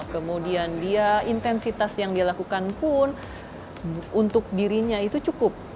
kemudian dia intensitas yang dia lakukan pun untuk dirinya itu cukup